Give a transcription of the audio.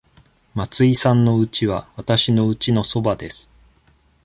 松井さんのうちはわたしのうちのそばです。